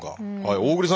大栗さん